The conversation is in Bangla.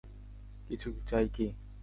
কিছু চাই কি।